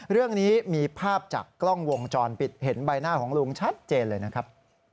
เรื่องนี้มีภาพจากกล้องวงจรปิดเห็นใบหน้าของลุงชัดเจนเลยนะครับ